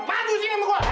bantu si emek gue